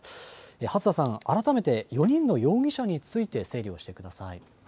初田さん、改めて４人の容疑者について整理をしてください。